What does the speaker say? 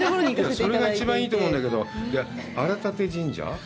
それが一番いいと思うんだけど、荒立神社？